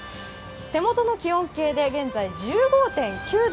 手元の気温計で現在１５．９度。